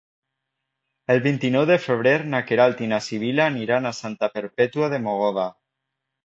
El vint-i-nou de febrer na Queralt i na Sibil·la aniran a Santa Perpètua de Mogoda.